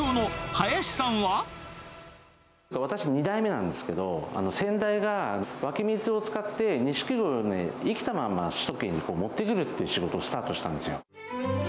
私、２代目なんですけど、先代が湧き水を使ってニシキゴイを生きたまま首都圏に持ってくるっていう仕事をスタートしたんですよ。